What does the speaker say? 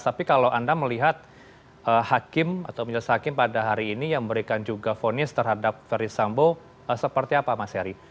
tapi kalau anda melihat hakim atau penjelas hakim pada hari ini yang memberikan juga vonis terhadap verdi sambo seperti apa mas yari